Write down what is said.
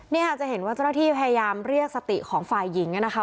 นี่ค่ะจะเห็นว่าเจ้าหน้าที่พยายามเรียกสติของฝ่ายหญิงนะคะ